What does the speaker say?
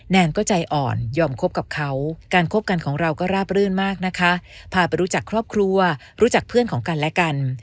แนนก็ใจอ่อนยอมคบกับเขาการคบกันของเราก็ราบรื่นมากนะคะพาไปรู้จักครอบครัวรู้จักเพื่อนของกันและกัน